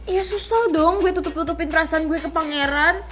ya susah dong gue tutup tutupin perasaan gue ke pangeran